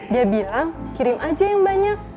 dia bilang kirim aja yang banyak